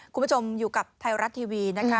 คุณผู้ชมอยู่กับไทยรัฐทีวีนะคะ